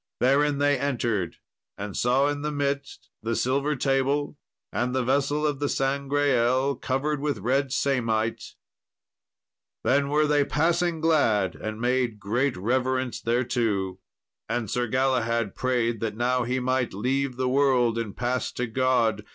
Therein they entered, and saw in the midst the silver table and the vessel of the Sangreal, covered with red samite. Then were they passing glad, and made great reverence thereto. And Sir Galahad prayed that now he might leave the world and pass to God.